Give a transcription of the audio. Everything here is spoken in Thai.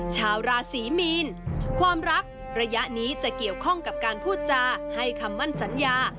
ชาวราศีมีนความรักระยะนี้จะเกี่ยวข้องกับการพูดจาให้คำมั่นสัญญา